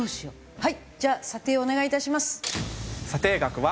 はい。